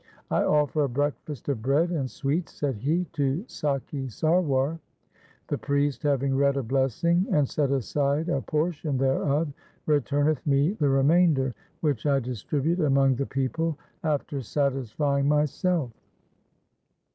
' I offer a breakfast of bread and sweets,' said he, ' to Sakhi Sarwar. The priest having read a blessing and set aside a portion thereof, returneth me the remainder, which I distribute among the people after satisfying myself.'